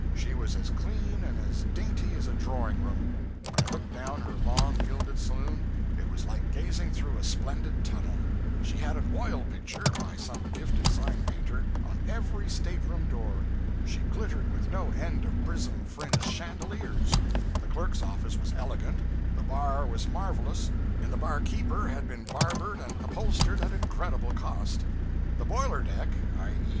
She was as clean and as dainty as a drawing room; when I looked down her long, gilded saloon, it was like gazing through a splendid tunnel; she had an oil picture, by some gifted sign painter, on every stateroom door; she glittered with no end of prism fringed chandeliers; the clerk's office was elegant, the bar was marvelous, and the bar keeper had been barbered and upholstered at incredible cost. The boiler deck (i.e.